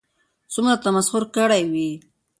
څومره تمسخر كړى وي